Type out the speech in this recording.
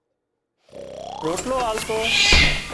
روٽلو آلتو